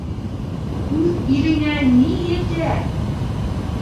Үҙ илеңә ни етә?